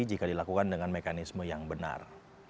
jika dilakukan dengan mekanisme yang benar